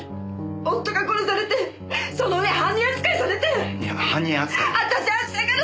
夫が殺されてその上犯人扱いされて！